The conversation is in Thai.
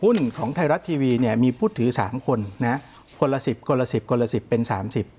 หุ้นของไทยรัสทีวีเนี้ยมีผู้ถือสามคนนะฮะคนละสิบคนละสิบคนละสิบเป็นสามสิบ